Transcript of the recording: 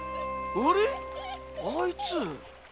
あいつ？